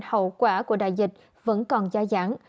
hậu quả của đại dịch vẫn còn gia dẳng